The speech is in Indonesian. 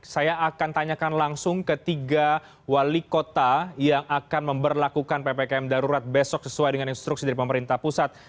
saya akan tanyakan langsung ketiga wali kota yang akan memperlakukan ppkm darurat besok sesuai dengan instruksi dari pemerintah pusat